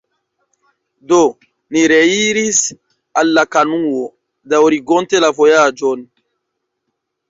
Do, ni reiris al la kanuo, daŭrigonte la vojaĝon.